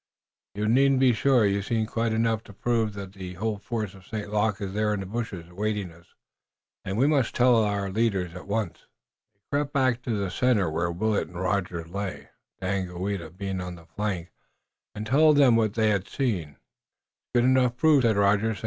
"You needn't be. You've seen quite enough to prove that the whole force of St. Luc is there in the bushes, awaiting us, and we must tell our leaders at once." They crept back to the center, where Willet and Rogers lay, Daganoweda being on the flank, and told them what they had seen. "It's good enough proof," said Rogers. "St.